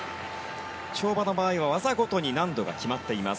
跳馬の場合は技ごとに得点が決まっています。